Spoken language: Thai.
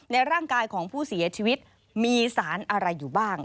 ในร่างกายของผู้เสียชีวิตมีสารอะไรอยู่บ้าง